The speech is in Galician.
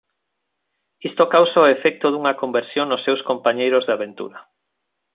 Isto causa o efecto dunha conversión nos seus compañeiros de aventura.